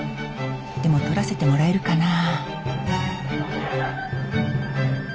でも撮らせてもらえるかなあ。